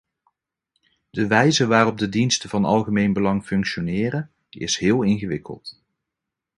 De wijze waarop de diensten van algemeen belang functioneren is heel ingewikkeld.